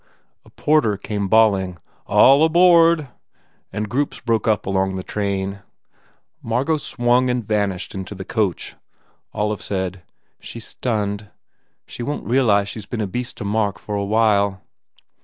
A porter came bawling, "All aboard," and groups broke up along the train. 273 THE FAIR REWARDS Margot swung and vanished into the coach. Olive said, "She s stunned. She won t realize she s been a beast to Mark for a while."